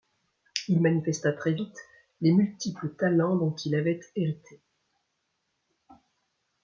Il manifesta très vite les multiples talents dont il avait hérité.